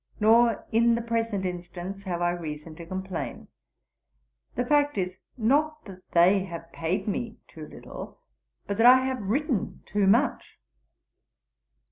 Nor, in the present instance, have I reason to complain. The fact is, not that they have paid me too little, but that I have written too much."